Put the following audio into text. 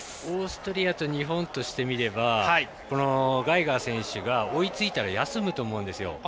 オーストリアと日本としてみればこのガイガー選手が追いついたら休むと思うんですよ。